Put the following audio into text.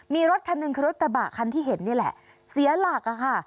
มีรถคันหนึ่งคือรถกระบะคันที่เห็นนี่แหละเสียหลักค่ะ